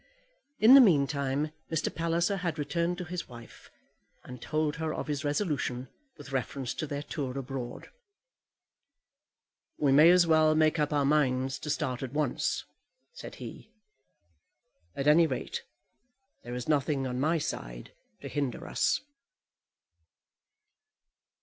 In the meantime Mr. Palliser had returned to his wife, and told her of his resolution with reference to their tour abroad. "We may as well make up our minds to start at once," said he. "At any rate, there is nothing on my side to hinder us."